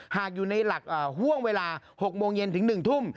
หากอยู่ในห่วงเวลา๖๑ทุ่ม